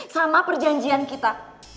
sama perjanjian kita